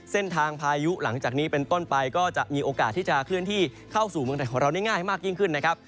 พายุหลังจากนี้เป็นต้นไปก็จะมีโอกาสที่จะเคลื่อนที่เข้าสู่เมืองไทยของเราได้ง่ายมากยิ่งขึ้นนะครับ